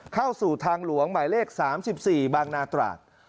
เข้าสู่ทางหลวงหมายเลข๓๔บางนาตราด